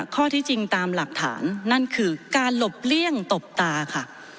ข้อที่จริงตามหลักฐานนั่นคือการหลบเลี่ยงตบตาค่ะ